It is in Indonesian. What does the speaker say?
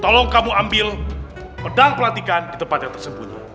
tolong kamu ambil medang pelatikan di tempat yang tersembunyi